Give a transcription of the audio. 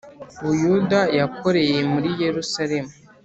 Buyuda yakoreye muri Yerusalemu